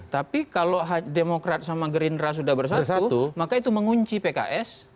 tapi kalau demokrat sama gerindra sudah bersatu maka itu mengunci pks